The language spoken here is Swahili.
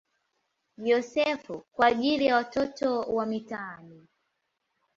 Yosefu" kwa ajili ya watoto wa mitaani.